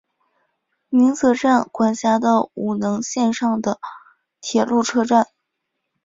鸣泽站管辖的五能线上的铁路车站。